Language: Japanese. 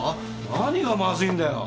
何がまずいんだよ！